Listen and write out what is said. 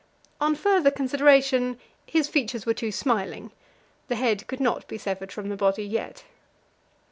On further consideration, his features were too smiling; the head could not be severed from the body yet.